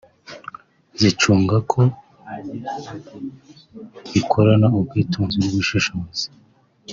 zicunga ko bikoranwa ubwitonzi n’ubushishozi